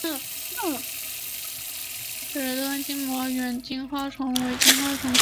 池端金毛猿金花虫为金花虫科金毛猿金花虫属下的一个种。